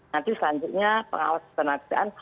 nanti selanjutnya pengawas penelitian